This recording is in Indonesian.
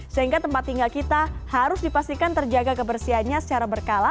sehingga tempat tinggal kita harus dipastikan terjaga kebersihannya secara berkala